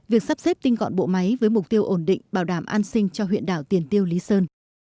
việc sắp xếp tinh gọn bộ máy với mục tiêu ổn định bảo đảm an sinh cho huyện đảo tiền tiêu lý sơn